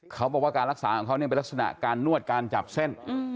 เขาบอกว่าการรักษาของเขาเนี่ยเป็นลักษณะการนวดการจับเส้น